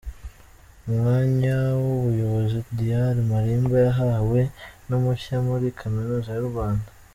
Umwanya w’ubuyobozi Dr Malimba yahawe ni mushya muri Kaminuza y’u Rwanda.